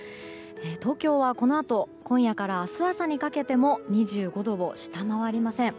東京は、このあと今夜から明日朝にかけても２５度を下回りません。